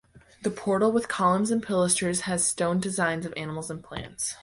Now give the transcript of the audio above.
The portal with columns and pilasters has stone designs of animals and plants.